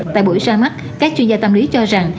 tại buổi ra mắt các chuyên gia tâm lý cho rằng